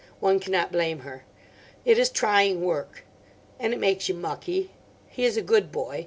One cannot blame her. It is trying work. And it makes you mucky. He is a good boy.